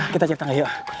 kita ancar tangga yuk